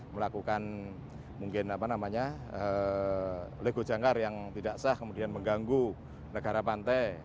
melakukan mungkin apa namanya lego jangkar yang tidak sah kemudian mengganggu negara pantai